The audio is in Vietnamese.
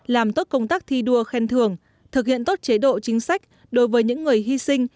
làm tốt công tác thi đua khen thưởng thực hiện tốt chế độ chính sách đối với những người hy sinh